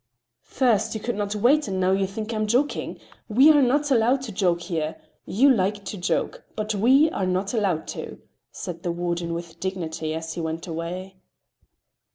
"First you could not wait, and now you think I am joking. We are not allowed to joke here. You like to joke, but we are not allowed to," said the warden with dignity as he went away.